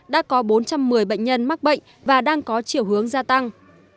đã có bốn trăm một mươi bệnh nhân mắc bệnh và đang có chiều hướng gia tăng